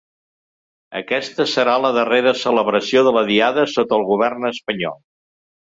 Aquesta serà la darrera celebració de la Diada sota el govern espanyol.